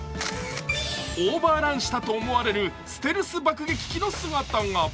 オーバーランしたと思われるステルス爆撃機の姿が。